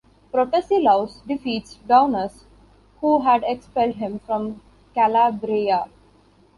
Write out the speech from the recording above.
Protesilaus defeats Daunus, who had expelled him from Calabria.